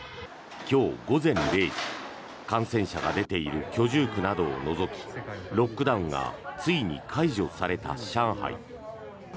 今日午前０時感染者が出ている居住区などを除きロックダウンがついに解除された上海。